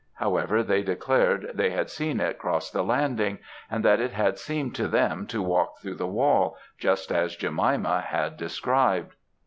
However, they declared they had seen it cross the landing; and that it had seemed to them, to walk through the wall, just as Jemima had described.